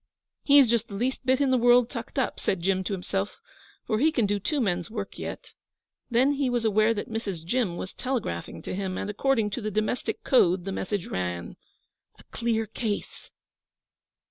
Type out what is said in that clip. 'He's just the least bit in the world tucked up,' said Jim to himself, 'but he can do two men's work yet.' Then he was aware that Mrs. Jim was telegraphing to him, and according to the domestic code the message ran: 'A clear case.